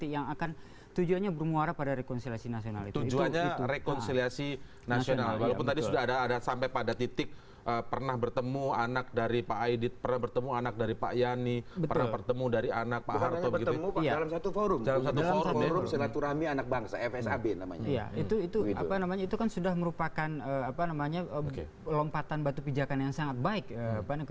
yang nama namanya juga banyak diklaim